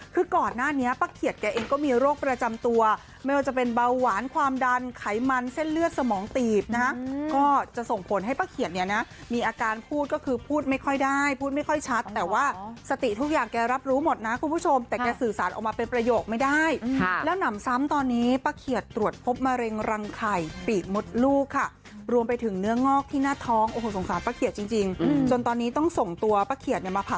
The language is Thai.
คือก่อนหน้านี้ป้าเขียดแกเองก็มีโรคประจำตัวไม่ว่าจะเป็นเบาหวานความดันไขมันเส้นเลือดสมองตีบนะก็จะส่งผลให้ป้าเขียดเนี้ยนะมีอาการพูดก็คือพูดไม่ค่อยได้พูดไม่ค่อยชัดแต่ว่าสติทุกอย่างแกรับรู้หมดนะคุณผู้ชมแต่แกสื่อสารออกมาเป็นประโยคไม่ได้แล้วหนำซ้ำตอนนี้ป้าเขียดตรวจพบมะเร็งรังไข่